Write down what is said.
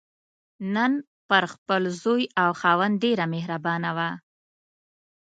نن پر خپل زوی او خاوند ډېره مهربانه وه.